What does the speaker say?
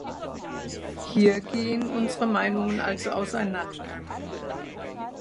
Hier gehen unsere Meinungen also auseinander.